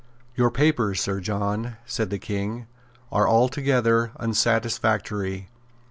"Your papers, Sir John," said the King, "are altogether unsatisfactory.